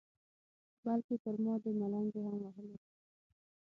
بلکې پر ما دې ملنډې هم وهلې.